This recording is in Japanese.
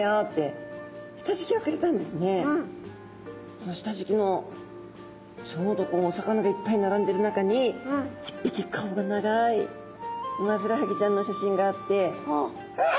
そのしたじきのちょうどお魚がいっぱいならんでる中にいっぴき顔が長いウマヅラハギちゃんのしゃしんがあってうわ